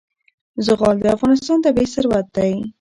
زغال د افغانستان طبعي ثروت دی.